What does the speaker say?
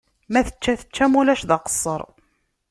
Ma tečča, tečča, ma ulac d aqeṣṣer.